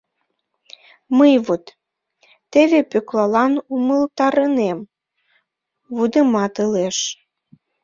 — Мый вот... теве Пӧклалан умылтарынем... — вудыматылеш.